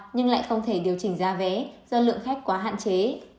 nhưng lại không thể điều chỉnh giá vé do lượng khách quá hạn chế